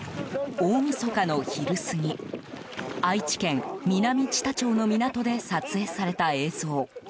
大みそかの昼過ぎ愛知県南知多町の港で撮影された映像。